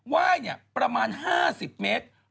ไหว้ประมาณ๕๐เมตร